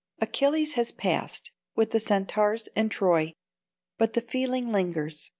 Achilles has passed, with the Centaurs and Troy; but the feeling lingers.